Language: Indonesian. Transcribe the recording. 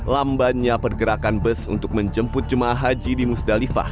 lambannya pergerakan bus untuk menjemput jemaah haji di musdalifah